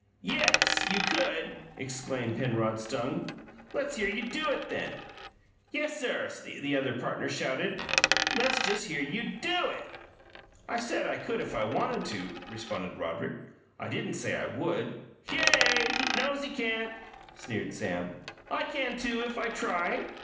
"YES, you could!" exclaimed Penrod, stung. "Let's hear you do it, then." "Yessir!" the other partner shouted. "Let's just hear you DO it!" "I said I could if I wanted to," responded Roderick. "I didn't say I WOULD." "Yay! Knows he can't!" sneered Sam. "I can, too, if I try."